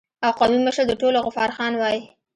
او قومي مشر د ټولو غفار خان وای